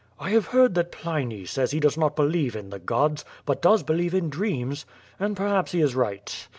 "I have heard that Pliny sjiys he does not believe in the gods, but does believe in dreams — and perhaps he is right.